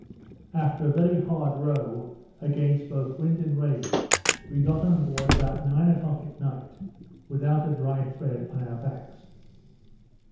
After a very hard row, against both wind and rain, we got on board about nine o'clock at night, without a dry thread on our backs.